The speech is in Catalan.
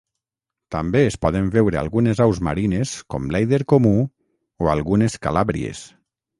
També es poden veure algunes aus marines com l'èider comú o algunes calàbries.